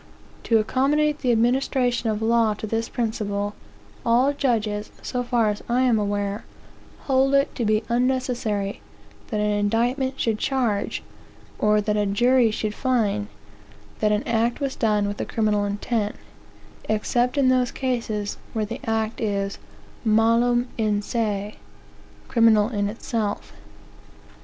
To accommodate the administration of law to this principle, all judges, so far as I am aware, hold it to be unnecessary that an indictment should charge, or that a jury should find, that an act was done with a criminal intent, except in those cases where the act is malum in se, criminal in itself.